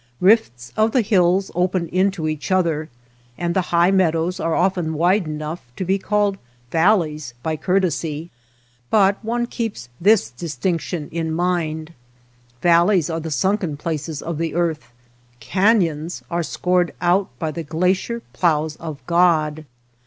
Rifts of the hills open into each other, and the high meadows are often wide enough to be called valleys by courtesy; but one keeps this distinction in mind, — valleys are the sunken places of the earth, canons are scored out by the glacier ploughs of God.